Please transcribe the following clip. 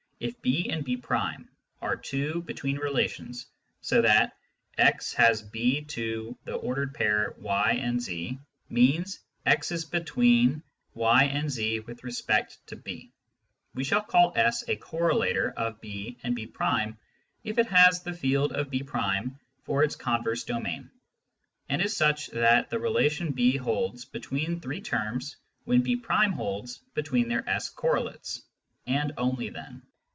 If B and B' are two between relations, so that " xB(y, 2) " means " x is between y and z with respect to B," we shall call S a correlator of B and B' if it has the field of B' for its converse domain, and is such that the relation B holds between three terms when B' holds between their S correlates, and only then.